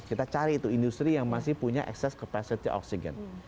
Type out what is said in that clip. kita cari itu industri yang masih punya excess capacity oksigen